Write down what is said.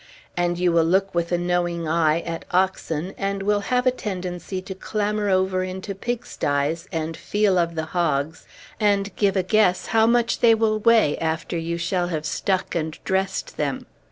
And you will look with a knowing eye at oxen, and will have a tendency to clamber over into pigsties, and feel of the hogs, and give a guess how much they will weigh after you shall have stuck and dressed them.